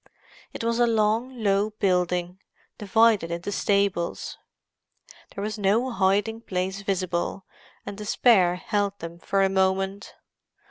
It was a long, low building, divided into stables. There was no hiding place visible, and despair held them for a moment.